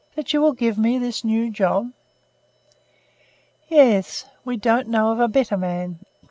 That you will give me this new job?" "Yes. We don't know of a better man.